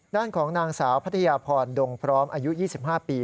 ด้านของนางสาวพัทยาพรดงพร้อมอายุ๒๕ปี